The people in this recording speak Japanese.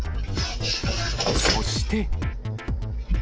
そして。